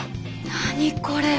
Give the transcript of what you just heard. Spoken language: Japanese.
何これ。